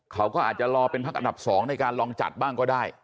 เขาก็อาจจะรอเป็นพักอันดับ๒ในการลองจัดบ้างก็ได้